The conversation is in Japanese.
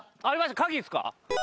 鍵っすか？